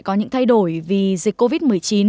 có những thay đổi vì dịch covid một mươi chín